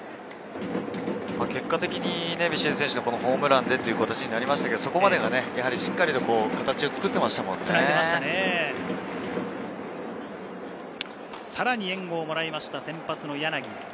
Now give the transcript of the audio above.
結果的にビシエド選手のホームランでという形なりましたけど、そこまではやはり形を作っさらに援護をもらった先発の柳。